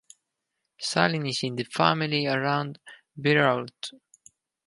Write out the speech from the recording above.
Sailing is in the family around Breault.